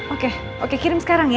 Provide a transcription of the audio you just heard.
oke oke kirim sekarang ya